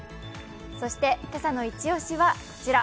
そして、今朝のイチ押しはこちら。